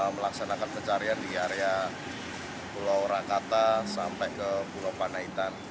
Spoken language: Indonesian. melaksanakan pencarian di area pulau rakata sampai ke pulau panaitan